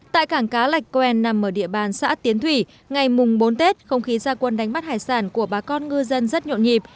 tại cảng cá lạch quen nằm ở địa bàn xã tiến thủy ngày mùng bốn tết không khí gia quân đánh bắt hải sản của bà con ngư dân rất nhộn nhịp